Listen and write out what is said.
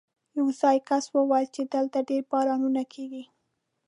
یو ځايي کس وویل چې دلته ډېر بارانونه کېږي.